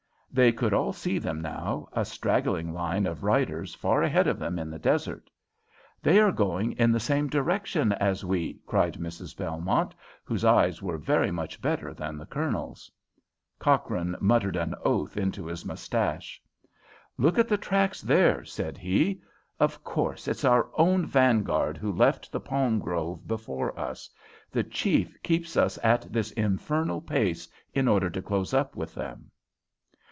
They could all see them now, a straggling line of riders far ahead of them in the desert. "They are going in the same direction as we," cried Mrs. Belmont, whose eyes were very much better than the Colonel's. Cochrane muttered an oath into his moustache. "Look at the tracks there," said he; "of course, it's our own vanguard who left the palm grove before us. The chief keeps us at this infernal pace in order to close up with them."